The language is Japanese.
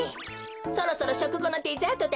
そろそろしょくごのデザートだね。